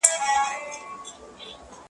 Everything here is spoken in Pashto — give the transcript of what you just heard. هر سړی به مستقیم پر لاري تللای ,